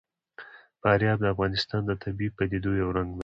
فاریاب د افغانستان د طبیعي پدیدو یو رنګ دی.